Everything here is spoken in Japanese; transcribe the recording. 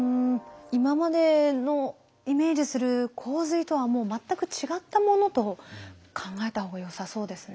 今までのイメージする洪水とはもう全く違ったものと考えた方がよさそうですね。